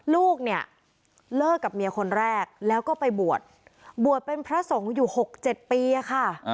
ลูกเนี่ยเลิกกับเมียคนแรกแล้วก็ไปบวชบวชเป็นพระสงฆ์อยู่๖๗ปีอะค่ะ